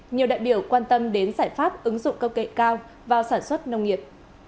nhiều đại biểu quan tâm đến giải pháp ứng dụng cơ kệ cao vào sản xuất nông nghiệp